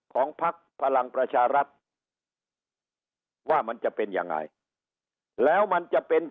พักพลังประชารัฐว่ามันจะเป็นยังไงแล้วมันจะเป็น